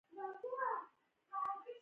اوبه د چا یادونه را ژوندي کوي.